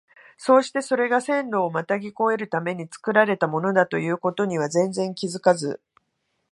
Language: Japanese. そうしてそれが線路をまたぎ越えるために造られたものだという事には全然気づかず、